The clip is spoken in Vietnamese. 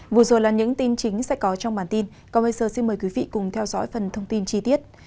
vừa rồi là những tin chính sẽ có trong bản tin còn bây giờ xin mời quý vị cùng theo dõi phần thông tin chi tiết